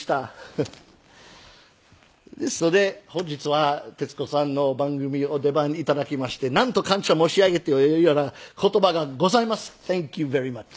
フフ。ですので本日は徹子さんの番組お出番頂きましてなんと感謝申し上げてよいやら言葉がございまセンキューベリーマッチ。